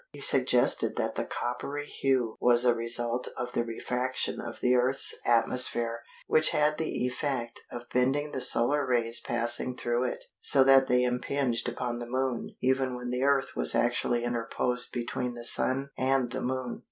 He suggested that the coppery hue was a result of the refraction of the Earth's atmosphere which had the effect of bending the solar rays passing through it, so that they impinged upon the Moon even when the Earth was actually interposed between the Sun and the Moon.